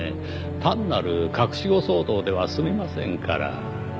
単なる隠し子騒動では済みませんから。